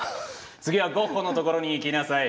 次はゴッホのところに行きなさい。